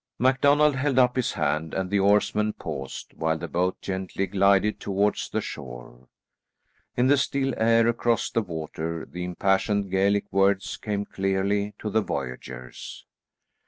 MacDonald held up his hand and the oarsmen paused, while the boat gently glided towards the shore. In the still air, across the water, the impassioned Gaelic words came clearly to the voyagers.